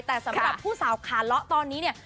แต่สำหรับผู้สาวขาเลาะตอนนี้เนี่ย